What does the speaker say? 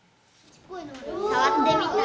触ってみたい。